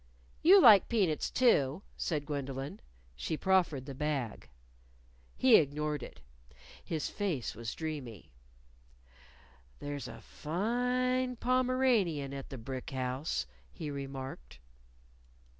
"You like peanuts, too," said Gwendolyn. She proffered the bag. He ignored it. His look was dreamy. "There's a fine Pomeranian at the brick house," he remarked.